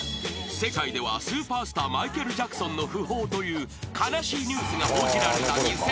［世界ではスーパースターマイケル・ジャクソンの訃報という悲しいニュースが報じられた］